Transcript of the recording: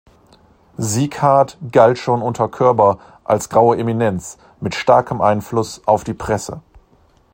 Sieghart galt schon unter Koerber als „graue Eminenz“ mit starkem Einfluss auf die Presse.